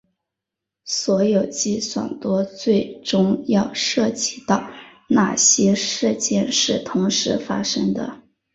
所有计算都最终要涉及到哪些事件是同时发生的。